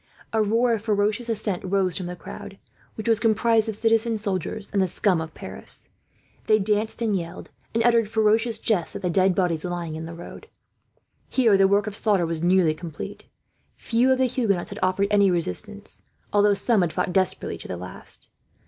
A roar of ferocious assent rose from the crowd, which was composed of citizen soldiers and the scum of Paris. They danced and yelled, and uttered ferocious jests at the dead bodies lying in the road. Here the work of slaughter was nearly complete. Few of the Huguenots had offered any resistance, although some had fought desperately to the last.